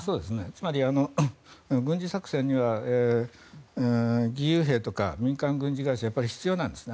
やはり軍事作戦には義勇兵とか民間軍事会社が必要なんですね。